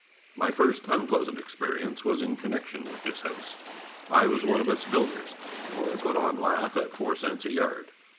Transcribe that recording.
My first unpleasant experience was in connection with this house. I was one of its builders for I put on lath at 4 cents a yard.